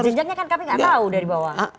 dan jenjangnya kan kami enggak tahu dari bawah